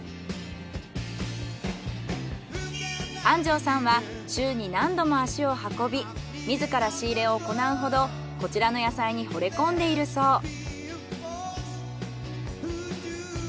安生さんは週に何度も足を運び自ら仕入れを行うほどこちらの野菜にほれ込んでいるそう。